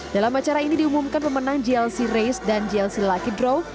dalam acara ini diumumkan pemenang jlc race dan jlc lucky drow